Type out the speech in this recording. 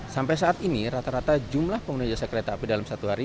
sampai saat ini rata rata jumlah pengguna jasa kereta api dalam satu hari